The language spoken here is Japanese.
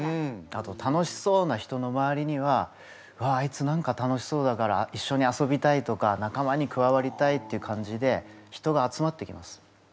あと楽しそうな人の周りにはうわあいつ何か楽しそうだから一緒に遊びたいとか仲間に加わりたいっていう感じで人が集まってきます。